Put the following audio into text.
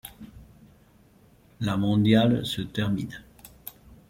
La mondiale se termine.